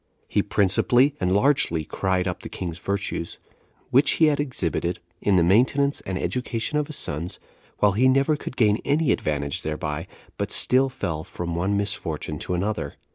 He principally and largely cried up the king's virtues, which he had exhibited in the maintenance and education of his sons; while he never could gain any advantage thereby, but still fell from one misfortune to another.